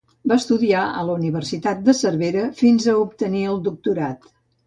Va estudiar a la Universitat de Cervera fins a obtenir el doctorat.